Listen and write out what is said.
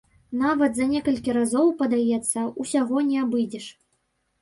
Нават за некалькі разоў, падаецца, усяго не абыдзеш.